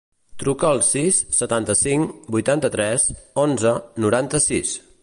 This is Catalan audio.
Truca al sis, setanta-cinc, vuitanta-tres, onze, noranta-sis.